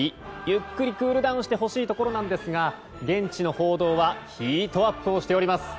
ゆっくりクールダウンしてほしいところなんですが現地の報道はヒートアップしております。